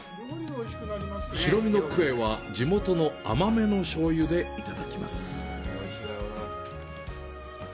白身のクエは、地元の甘めの醤油でいただきます。